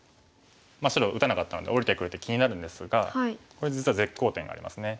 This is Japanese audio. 白打たなかったので下りてくる手気になるんですがこれ実は絶好点がありますね。